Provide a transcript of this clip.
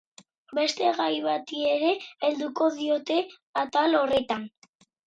Beste gai bati ere helduko diote atal horretan.